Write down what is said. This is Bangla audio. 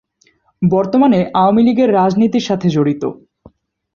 বর্তমানে আওয়ামী লীগের রাজনীতির সাথে জড়িত।